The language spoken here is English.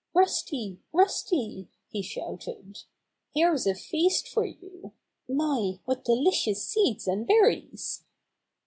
"Rusty! Rusty!" he shouted. "Here's a feast for you ! My, what delicious seeds and berries!"